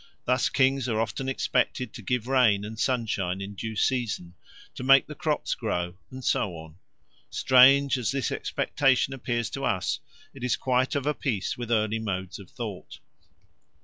Thus kings are often expected to give rain and sunshine in due season, to make the crops grow, and so on. Strange as this expectation appears to us, it is quite of a piece with early modes of thought.